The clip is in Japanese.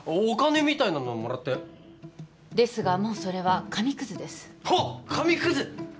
お金みたいなのもらったよですがもうそれは紙くずですはっ紙くず？